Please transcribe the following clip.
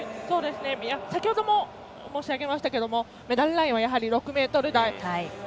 先ほども申し上げましたがメダルラインは６ｍ台。